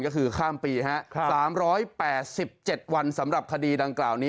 ก็คือข้ามปี๓๘๗วันสำหรับคดีดังกล่าวนี้